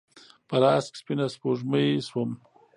پر هسک سپینه سپوږمۍ شوم